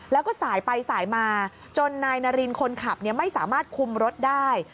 แล้วก็สายไปสายมาจนนายนารินคนขับไม่สามารถคุมรถได้